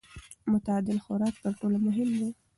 متعادل خوراک تر ټولو مهم دی.